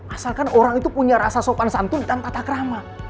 asalkan orang itu punya rasa sopan santun dan tatakrama